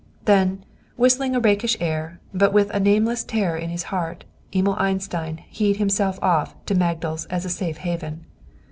And then, whistling a rakish air, but with a nameless terror in his heart, Emil Einstein hied himself off to Magdal's as a safe haven.